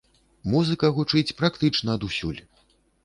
Музыка гучыць практычна адусюль.